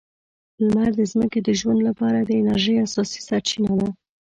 لمر د ځمکې د ژوند لپاره د انرژۍ اساسي سرچینه ده.